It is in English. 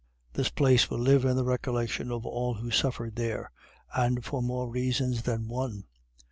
This place will live in the recollection of all who suffered there, and for more reasons than one.